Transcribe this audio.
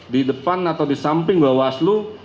di depan atau di samping bawaslu